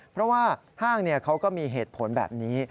เพราะว่าห้างเขาก็มีเหตุผลแบบนี้